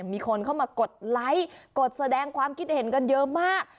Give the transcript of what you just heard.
มีคนเข้ามากดไลค์กดแสดงความคิดเห็นกันเยอะมาก